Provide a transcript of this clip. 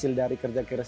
yang telah ditebak